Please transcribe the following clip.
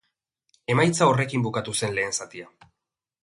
Emaitza horrekin bukatu zen lehen zatia.